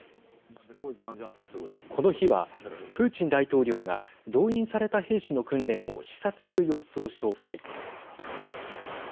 この日はプーチン大統領が動員された兵士の訓練を視察する様子を紹介。